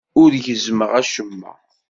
Ur gezzmeɣ acemma.